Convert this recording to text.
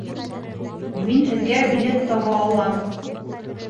Мин һеҙгә билет таба алам